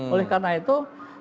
oleh karena itu